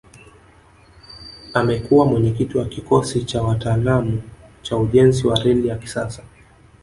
Amekua mwenyekiti wa kikosi cha wataalamu cha ujenzi wa reli ya kisasa